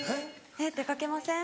えっ出かけません？